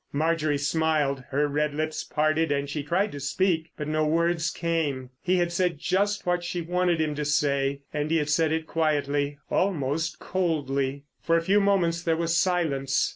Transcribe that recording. Marjorie smiled: her red lips parted and she tried to speak, but no words came. He had said just what she wanted him to say. And he had said it quietly, almost coldly. For a few moments there was silence.